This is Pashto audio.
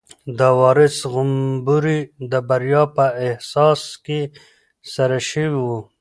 د وارث غومبوري د بریا په احساس کې سره شوي وو.